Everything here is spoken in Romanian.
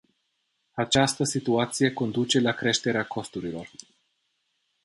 Această situație conduce la creșterea costurilor.